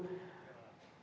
ini dalam satu berita